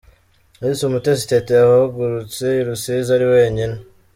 Miss Umutesi Teta yahagurutse i Rusizi ari wenyine.